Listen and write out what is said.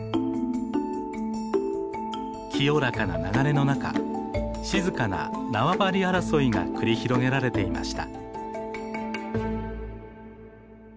清らかな流れの中静かな縄張り争いが繰り広げられていました。